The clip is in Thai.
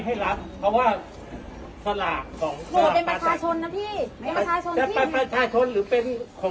เพราะหนูเป็นลูกค้าจากซื้อศาลากเหมือนกัน